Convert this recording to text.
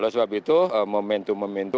oleh sebab itu momentum momentum dari infrastruktur